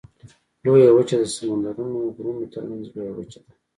لویه وچه د سمندرونو غرونو ترمنځ لویه وچه ده.